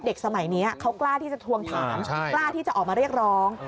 สมัยนี้เขากล้าที่จะทวงถามกล้าที่จะออกมาเรียกร้อง